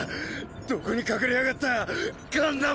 どこに隠れやがったガンダム！